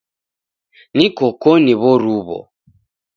Niko koni w'oruw'o.